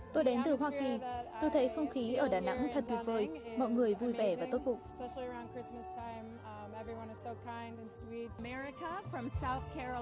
tôi đến từ hoa kỳ tôi thấy không khí ở đà nẵng thật tuyệt vời mọi người vui vẻ và tốt bụng